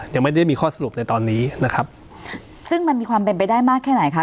ยังไม่ได้มีข้อสรุปในตอนนี้นะครับซึ่งมันมีความเป็นไปได้มากแค่ไหนคะ